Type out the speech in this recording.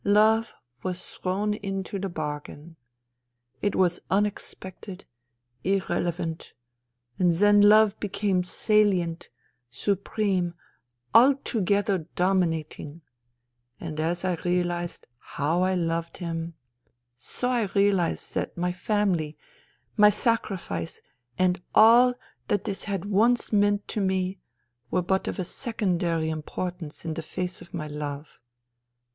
Love was thrown into the bar gain. It was unexpected, irrelevant. And then love became salient, supreme, altogether dominat ing ; and as I realized how I loved him, so I realized that my family, my sacrifice and all that this had once meant to me, were but of secondary import ance in the face of my love.